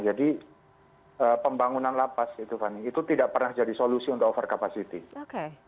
pembangunan lapas itu tidak pernah jadi solusi untuk over capacity